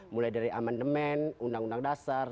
mulai dari amandemen undang undang dasar